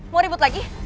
mau ribut lagi